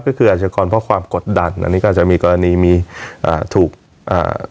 ก็คืออาชกรเพราะความกดดันอันนี้ก็จะมีกรณีมีอ่าถูกอ่า